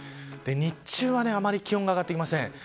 日中はあんまり気温が上がってきません。